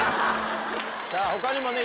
さあ他にもね